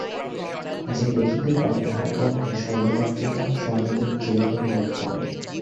যে দেখিতে পায়, তাহার পক্ষে স্বর্গরাজ্য বা স্বর্ণযুগ চিরকালই বর্তমান।